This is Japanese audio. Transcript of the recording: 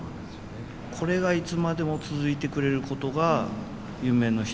これがいつまでも続いてくれることが夢の一つでもあり。